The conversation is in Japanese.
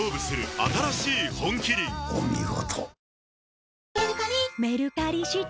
お見事。